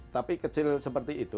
tapi kecil seperti itu